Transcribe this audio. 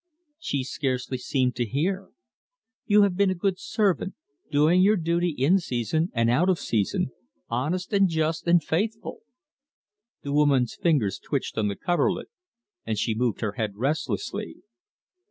She scarcely seemed to hear. "You have been a good servant doing your duty in season and out of season; honest and just and faithful." The woman's fingers twitched on the coverlet, and she moved her head restlessly.